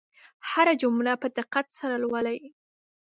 هره جمله په دقت سره لولئ.